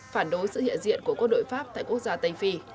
phản đối sự hiện diện của quân đội pháp tại quốc gia tây phi